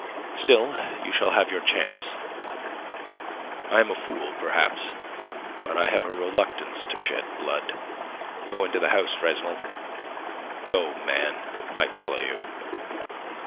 Still, you shall have your chance. I am a fool, perhaps, but I have a reluctance to shed blood. Go into the house, Fresnel. Go, man. I follow you."